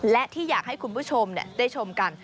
และที่อยากให้คุณผู้ชมได้ชมกัน